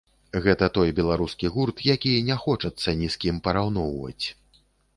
Гэта той беларускі гурт, які не хочацца ні з кім параўноўваць.